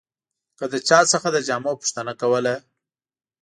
که د چا څخه د جامو پوښتنه کوله.